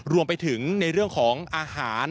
รวมไปถึงในเรื่องของอาหาร